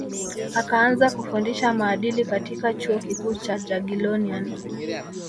akaanza kufundisha maadili katika chuo kikuu cha jagiellonian